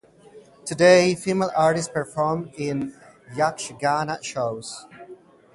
Today, female artists perform in Yakshagana shows.